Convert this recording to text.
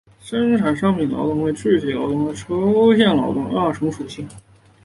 生产商品的劳动分为具体劳动和抽象劳动二重属性。